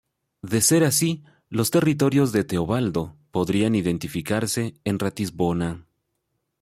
De ser así, los territorios de Teobaldo podrían identificarse en Ratisbona.